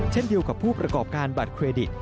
เช่นเดียวกับผู้ประกอบการบัตรเครดิต